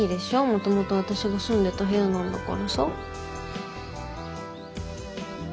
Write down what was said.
もともと私が住んでた部屋なんだからさ。